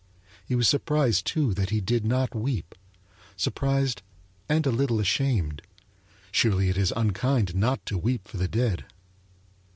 He was surprised, too, that he did not weep surprised and a little ashamed; surely it is unkind not to weep for the dead.